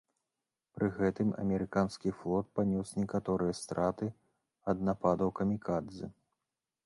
Пры гэтым амерыканскі флот панёс некаторыя страты ад нападаў камікадзэ.